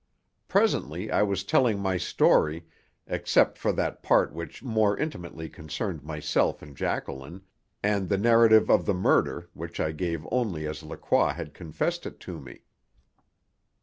Presently I was telling my story except for that part which more intimately concerned myself and Jacqueline, and the narrative of the murder, which I gave only as Lacroix had confessed it to me.